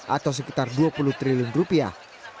atau sekitar dua puluh triliun rupiah